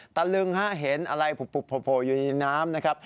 ตะลึงฮะเห็นอะไรโผล่อยู่ในน้ำนะครับ